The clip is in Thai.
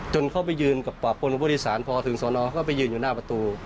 จนเขาไปยืนกับปวดบุริสารพอถึงสอนอท่าเขาก็ไปยืนอยู่หน้าประตู